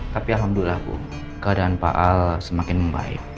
tapi alhamdulillah bu keadaan pak al semakin membaik